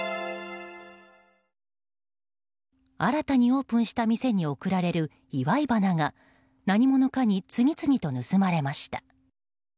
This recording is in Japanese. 新たにオープンした店に贈られる祝い花が何者かに次々と盗まれました。